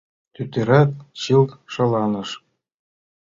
Тӱтырат чылт шаланыш.